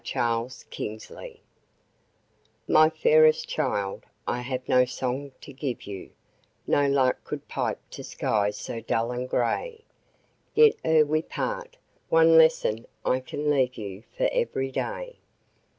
14 30 A FAREWELL My fairest child, I have no song to give you; No lark could pipe to skies so dull and gray; Yet, ere we part, one lesson I can leave you For every day.